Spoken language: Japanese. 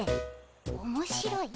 おもしろい？